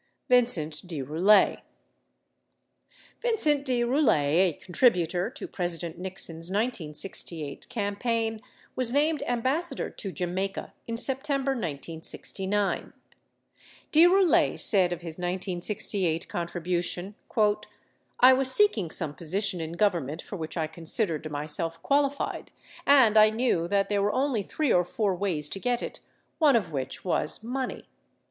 B. Vincent de Roulet Vincent de Boulet, a contributor to President Nixon's 1968 cam paign, was named Ambassador to Jamaica in September 1969. De Roulet said of his 1968 contribution, "I was seeking some position in Government for which I considered myself qualified and I knew that there were only three or four ways to get it, one of which was money."